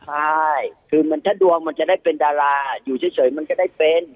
ใช่คือเหมือนถ้าดวงมันจะได้เป็นดาราอยู่เฉยมันก็ได้เป็น